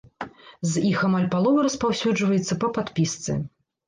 З іх амаль палова распаўсюджваецца па падпісцы.